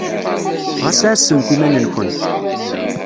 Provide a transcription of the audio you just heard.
Ɣas ɛassemt iman-nkent.